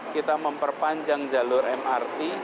kita memperpanjang jalur mrt